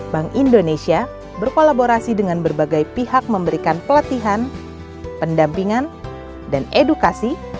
bank indonesia berkolaborasi dengan berbagai pihak memberikan pelatihan pendampingan dan edukasi